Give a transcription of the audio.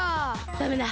ダメだ！